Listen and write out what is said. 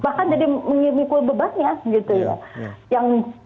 bahkan jadi mengikul bebannya